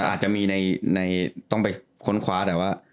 อาจจะมีในต้องไปค้นคว้าแต่ว่า